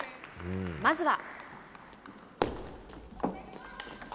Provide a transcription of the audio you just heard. まずは。